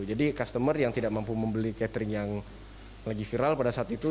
customer yang tidak mampu membeli catering yang lagi viral pada saat itu